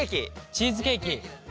チーズケーキ。